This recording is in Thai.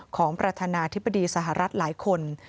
ของประธานาธิบดีสหรัฐหลายคน